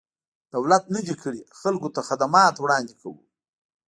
دولت نه دی کړی، خلکو ته خدمات وړاندې کوو.